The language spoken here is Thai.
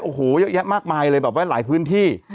โอ้โหเยอะแยะมากมายเลยแบบว่าหลายพื้นที่